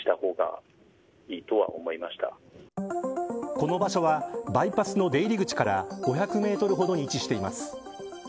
この場所はバイパスの出入り口から５００メートルほどに位置しています。